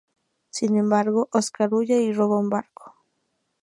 Sin embargo, Oscar huye y roba un barco.